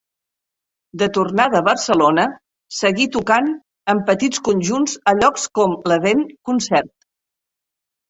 De tornada a Barcelona, seguí tocant en petits conjunts a llocs com l'Edèn Concert.